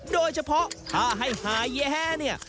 โดยเฉพาะถ้าให้หาแย้เนี่ย